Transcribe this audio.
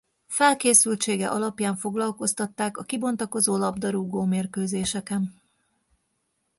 Felkészültsége alapján foglalkoztatták a kibontakozó labdarúgó mérkőzéseken.